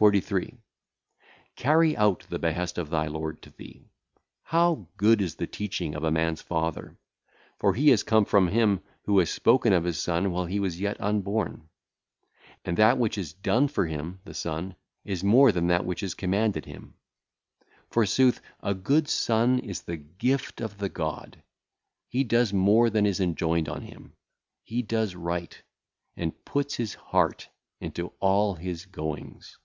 43. Carry out the behest of thy lord to thee. How good is the teaching of a man's father, for he hath come from him, who hath spoken of his son while he was yet unborn; and that which is done for him (the son) is more than that which is commanded him. Forsooth, a good son is of the gift of the God; he doeth more than is enjoined on him, he doeth right, and putteth his heart into all his goings.